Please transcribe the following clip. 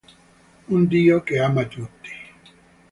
Un Dio che ama tutti.